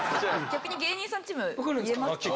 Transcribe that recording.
逆に芸人さんチーム言えますか？